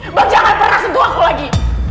abang jangan pernah suka aku lagi